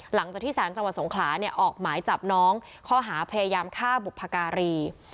หลังจากที่สารจังหวัดสงขลาเนี่ยออกหมายจับน้องข้อหาพยายามฆ่าบุพการี